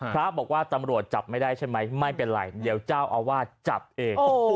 พระบอกว่าตำรวจจับไม่ได้ใช่ไหมไม่เป็นไรเดี๋ยวเจ้าอาวาสจับเอง